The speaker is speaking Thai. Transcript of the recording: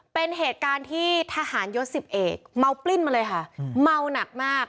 เป็นเหตุการณ์ที่ทหารยศสิบเอกเมาปลิ้นมาเลยค่ะเมาหนักมาก